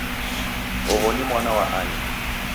Oho ni mwana wa ani?